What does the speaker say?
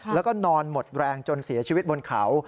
แล้วก็นอนหมดแรงจนเสียชีวิตบนเขา